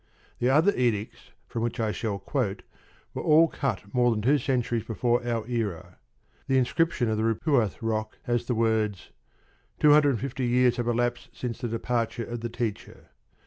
The other edicts from which I shall quote were all cut more than two centuries before our era. The inscription of the Rupuath Rock has the words: "Two hundred and fifty years have elapsed since the departure of the teacher."